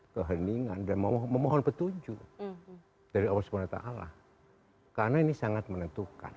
keheningan dan memohon petunjuk dari allah swt karena ini sangat menentukan